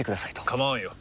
構わんよ。